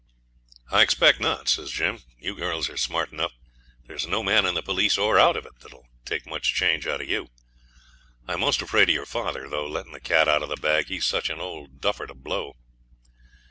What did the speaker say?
'I expect not,' says Jim; 'you girls are smart enough. There's no man in the police or out of it that'll take much change out of you. I'm most afraid of your father, though, letting the cat out of the bag; he's such an old duffer to blow.'